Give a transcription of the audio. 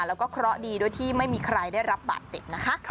แล้วก็เคราะห์ดีด้วยที่ไม่มีใครได้รับบาดเจ็บนะคะ